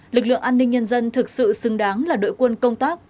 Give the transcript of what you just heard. lực lượng an ninh nhân dân thực sự xứng đáng là đội quân công tác